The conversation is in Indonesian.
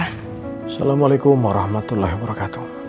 assalamualaikum warahmatullahi wabarakatuh